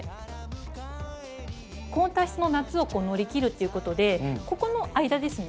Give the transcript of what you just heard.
高温多湿の夏を乗り切るっていうことでここの間ですね